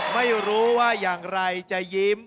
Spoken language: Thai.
ไม่รู้ว่าอย่างไรจะยิ้ม